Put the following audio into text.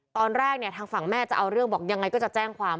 ตอนแรกเนี่ยทางฝั่งแม่จะเอาเรื่องบอกยังไงก็จะแจ้งความ